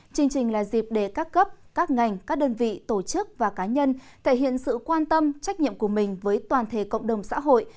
chương trình là dịp để các cấp các ngành các đơn vị tổ chức và cá nhân thể hiện sự quan tâm trách nhiệm của mình với toàn thể cộng đồng xã hội